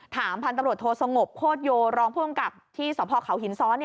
พันธุ์ตำรวจโทสงบโคตรโยรองผู้กำกับที่สพเขาหินซ้อน